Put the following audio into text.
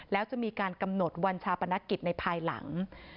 แล้วจะมีการกำหนดวันชาปนกิจในภายหลัง